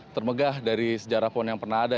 termegah dari sejarah pohon yang pernah ada